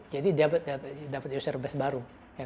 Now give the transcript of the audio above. jadi dia dapat user base baru